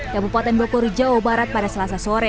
kabupaten bogor jawa barat pada selasa sore